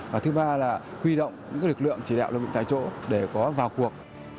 và thứ ba là huy động những lực lượng chỉ đạo lưu vịnh tại chỗ để có vào cuộc